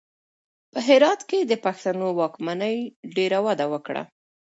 په هرات کې د پښتنو واکمنۍ ډېره وده وکړه.